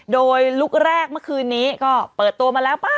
โดยลุคแรกเมื่อคืนนี้ก็เปิดตัวมาแล้วป่ะ